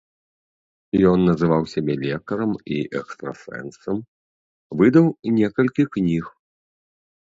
Ён называў сябе лекарам і экстрасэнсам, выдаў некалькіх кніг.